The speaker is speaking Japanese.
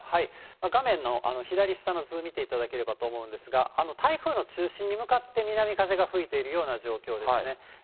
画面の左下の図見ていただければと思うんですが、台風の中心に向かって南風が吹いているような状況ですね。